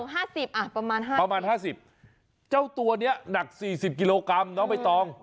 อู๋ห้าสิบประมาณห้าสิบเจ้าตัวนี้หนักสี่สิบกิโลกรัมเนาะไม่ต้อง